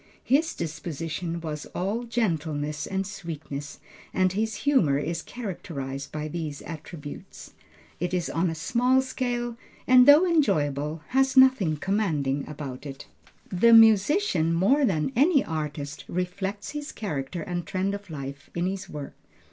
His disposition was all gentleness and sweetness, and his humor is characterized by these attributes. It is on a small scale, and though enjoyable, has nothing commanding about it. The musician, more than any artist, reflects his character and trend of life in his work.